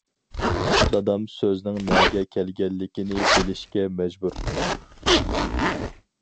دادام سۆزنىڭ نەگە كەلگەنلىكىنى بىلىشكە مەجبۇر.